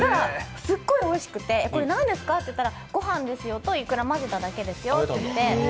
すっごいおいしくて、これ何ですか？と聞いたら、ごはんですよ！といくら混ぜただけですよっていって。